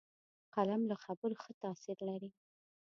قلم له خبرو ښه تاثیر لري